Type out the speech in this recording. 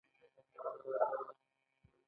دا توکي خپلې کارخانې ته وړي او هلته یې ساتي